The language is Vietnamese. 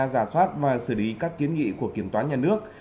giả soát và xử lý các kiến nghị của kiểm toán nhà nước